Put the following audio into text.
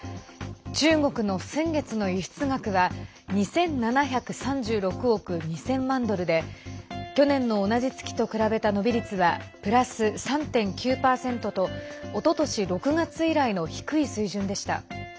中国の先月の輸出額は２７３６億２０００万ドルで去年の同じ月と比べた伸び率はプラス３．９％とおととし６月以来の低い水準でした。